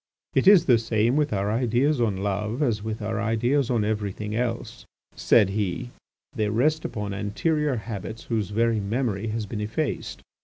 "It is the same with our ideas on love as with our ideas on everything else," said he, "they rest upon anterior habits whose very memory has been effaced.